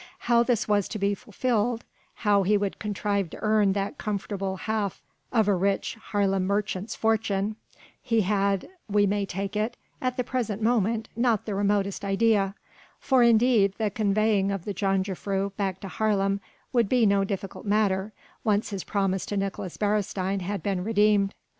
How this was to be fulfilled, how he would contrive to earn that comfortable half of a rich Haarlem merchant's fortune, he had we may take it at the present moment, not the remotest idea: for indeed, the conveying of the jongejuffrouw back to Haarlem would be no difficult matter, once his promise to Nicolaes Beresteyn had been redeemed.